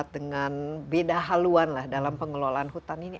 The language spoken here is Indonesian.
dengan beda haluan lah dalam pengelolaan hutan ini